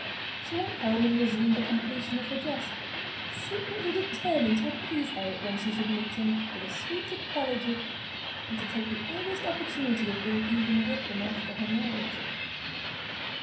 She went home and resumed the completion of her dress, secretly determined to appease Eric when she should meet him with a sweet apology—and to take the earliest opportunity of being even with him after her marriage.